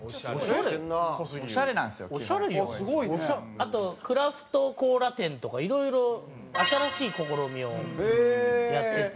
あとクラフトコーラ展とかいろいろ新しい試みをやってて。